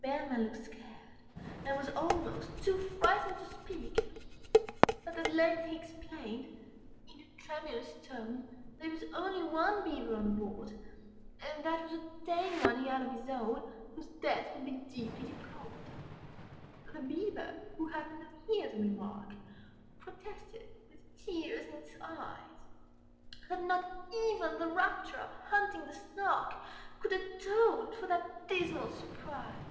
The Bellman looked scared, Â Â Â Â And was almost too frightened to speak: But at length he explained, in a tremulous tone, Â Â Â Â There was only one Beaver on board; And that was a tame one he had of his own, Â Â Â Â Whose death would be deeply deplored. The Beaver, who happened to hear the remark, Â Â Â Â Protested, with tears in its eyes, That not even the rapture of hunting the Snark Â Â Â Â Could atone for that dismal surprise!